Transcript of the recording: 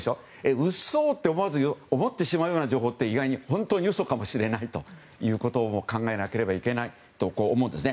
うっそーって思わず思ってしまうような情報って意外に本当に嘘かもしれないということを考えなければいけないと思うんですね。